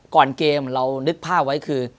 ก่อนเกมเรานึกภาพไว้คือ